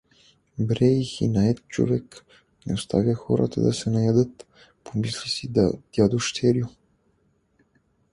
„Брей, хинает човек, не оставя хората да се наядат“ — помисли си дядо Щерю.